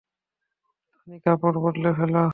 তানি, কাপড় বদলে ফেলো।